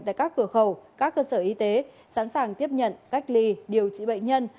tại các cửa khẩu các cơ sở y tế sẵn sàng tiếp nhận cách ly điều trị bệnh nhân